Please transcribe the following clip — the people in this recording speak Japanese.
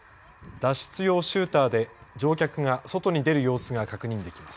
脱出用シューターで乗客が外に出る様子が確認できます。